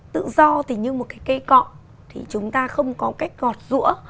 tự do thì như một cái cây cọ thì chúng ta không có cách gọt rũa